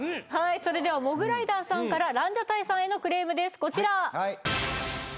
それではモグライダーさんからランジャタイさんへのクレームですこちら。